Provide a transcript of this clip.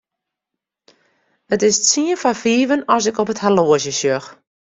It is tsien foar fiven as ik op it horloazje sjoch.